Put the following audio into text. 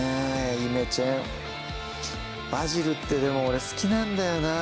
イメチェンバジルってでも俺好きなんだよな